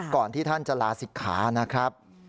ก่อนที่ท่านจะลาศิกขานะครับ